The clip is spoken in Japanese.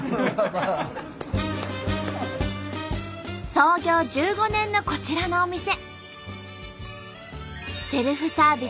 創業１５年のこちらのお店。